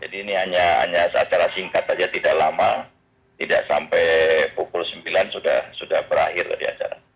jadi ini hanya seacara singkat saja tidak lama tidak sampai pukul sembilan sudah berakhir tadi acara